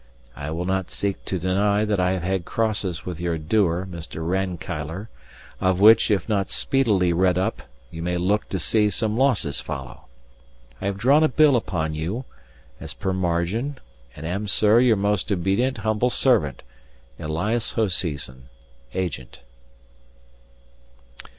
I will not seek to deny that I have had crosses with your doer,* Mr. Rankeillor; of which, if not speedily redd up, you may looke to see some losses follow. I have drawn a bill upon you, as per margin, and am, sir, your most obedt., humble servant, "ELIAS HOSEASON." * Agent.